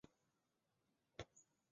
设为大兴安岭地区行政公署所在地。